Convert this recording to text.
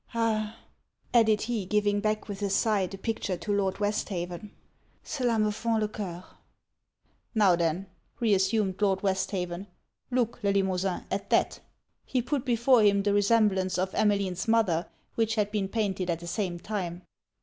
Ah!_' added he, giving back, with a sigh, the picture to Lord Westhaven 'cela me fend le coeur!' 'Now then,' reassumed Lord Westhaven, 'look, Le Limosin, at that.' He put before him the resemblance of Emmeline's mother, which had been painted at the same time.